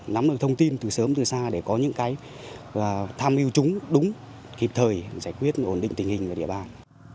nắm được thông tin từ sớm từ xa để có những cái tham yêu chúng đúng kịp thời giải quyết ổn định tình hình ở địa bàn